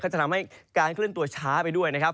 จะทำให้การเคลื่อนตัวช้าไปด้วยนะครับ